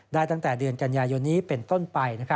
ตั้งแต่เดือนกันยายนนี้เป็นต้นไป